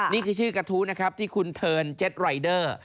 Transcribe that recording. นี่คือชื่อกระทู้นะครับที่คุณเทิร์นเจ็ตรายเดอร์